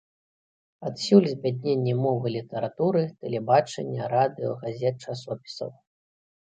Адсюль збядненне мовы літаратуры, тэлебачання, радыё, газет, часопісаў.